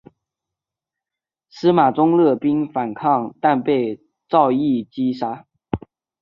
司马宗勒兵反抗但被赵胤击杀。